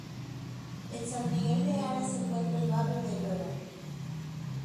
En San Miguel de Aras se encuentra el barrio de Llueva.